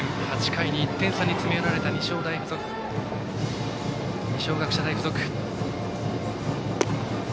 ８回に１点差に詰め寄られた二松学舎大付属。